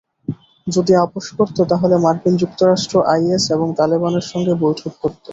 যদি আপস করত, তাহলে মার্কিন যুক্তরাষ্ট্র আইএস এবং তালেবানের সঙ্গে বৈঠক করত।